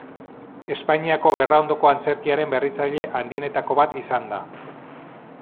Espainiako gerraondoko antzerkiaren berritzaile handienetako bat izan da.